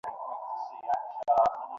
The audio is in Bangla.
অবশেষে তাহাই স্থির হইল।